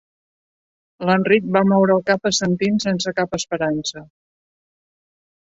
L'Enric va moure el cap assentint sense cap esperança.